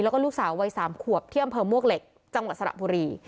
แล้วก็ลูกสาววัย๓ขวบที่อำเภอมวกเหล็กจังหวัดสระบุรี